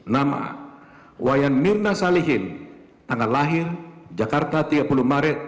nama wayan mirna salihin tanggal lahir jakarta tiga puluh maret seribu sembilan ratus delapan puluh delapan